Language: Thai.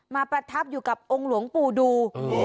ประทับอยู่กับองค์หลวงปู่ดู